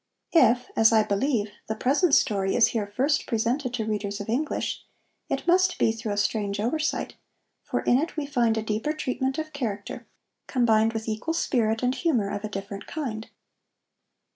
If, as I believe, the present story is here first presented to readers of English, it must be through a strange oversight, for in it we find a deeper treatment of character, combined with equal spirit and humor of a different kind.